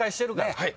はい。